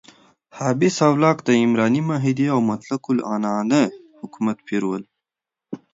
هابس او لاک د عمراني معاهدې او مطلق العنانه حکومت پیر ول.